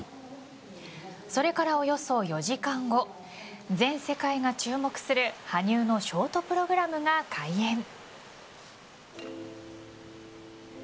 それから、およそ４時間後全世界が注目する羽生のショートプログラムが開演。